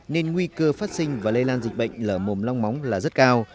nên nguy cơ phát sinh và lây lan dịch bệnh lở mồm long móng là rất cao